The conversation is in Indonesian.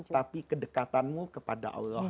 tapi kedekatanmu kepada allah